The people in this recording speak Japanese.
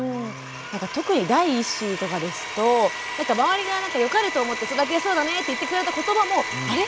特に第一子とかですと周りが良かれと思って育てやすそうだねって言ってくれたことばもあれ？